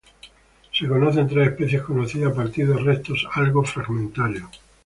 Se conocen tres especies, conocidas a partir de restos algo fragmentarios.